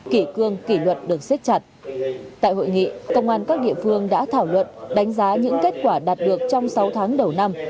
kỷ cương kỷ luật được xích chặt tại hội nghị công an các địa phương đã thảo luận đánh giá những kết quả đạt được trong sáu tháng đầu năm